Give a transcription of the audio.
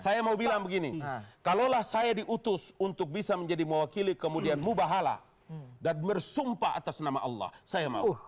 saya mau bilang begini kalaulah saya diutus untuk bisa menjadi mewakili kemudian mubahala dan bersumpah atas nama allah saya mau